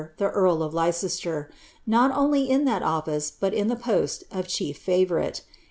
the earl oi Leicester, not only in that office but in tl of chief favourite.